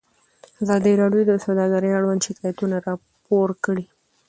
ازادي راډیو د سوداګري اړوند شکایتونه راپور کړي.